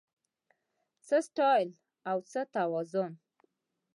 څه سټایل او څه توازن